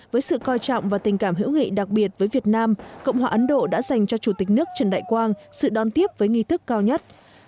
với sự coi trọng và tình cảm hữu nghị đặc biệt với việt nam cộng hòa ấn độ đã dành cho chủ tịch nước trần đại quang sự đón tiếp với nghi thức cao nhất